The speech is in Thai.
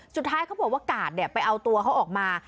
สุดท้ายเขาบอกว่ากาศไปเอาตัวเขาออกมา